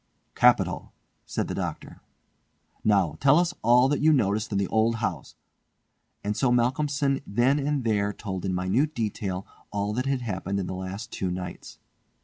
"Capital," said the doctor. "Now tell us all that you noticed in the old house," and so Malcolmson then and there told in minute detail all that had happened in the last two nights.